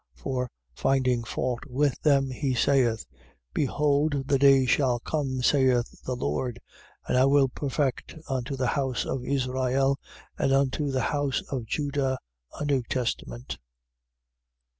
8:8. For, finding fault with them, he saith: Behold the days shall come, saith the Lord: and I will perfect, unto the house of Israel and unto the house of Juda, a new testament: 8:9.